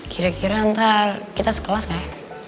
kira kira ntar kita sekelas gak ya